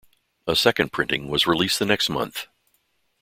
A second printing was released the next month.